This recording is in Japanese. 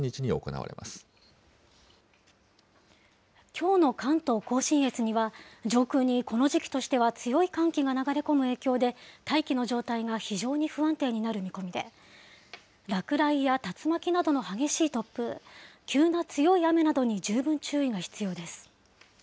きょうの関東甲信越には、上空にこの時期としては強い寒気が流れ込む影響で、大気の状態が非常に不安定になる見込みで、落雷や竜巻などの激しい突風、急な強い雨などに十分注意が必要です。